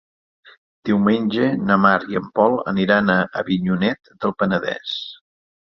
Diumenge na Mar i en Pol aniran a Avinyonet del Penedès.